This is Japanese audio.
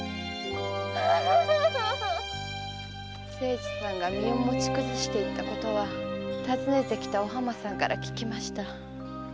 清次さんが身を持ち崩していったことは訪ねてきたお浜さんから聞きました。